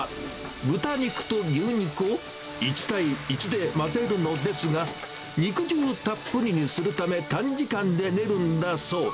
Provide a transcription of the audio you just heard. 豚肉と牛肉を１対１で混ぜるのですが、肉汁たっぷりにするため、短時間で練るんだそう。